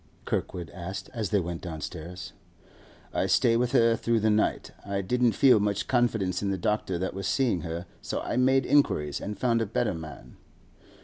Kirkwood asked as they went downstairs. 'I stay with her through the night. I didn't feel much confidence in the doctor that was seeing her, so I made inquiries and found a better man.